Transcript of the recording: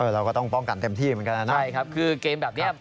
เราก็ต้องป้องกันเต็มที่เหมือนกันนะครับ